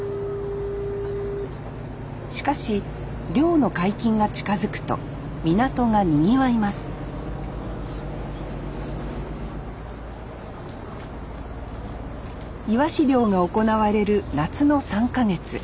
しかし漁の解禁が近づくと港がにぎわいますイワシ漁が行われる夏の３か月。